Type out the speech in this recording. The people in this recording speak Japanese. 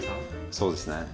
そうですね。